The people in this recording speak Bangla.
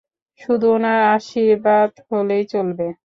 শুধু উনার আশীর্বাদ হলেই চলবে!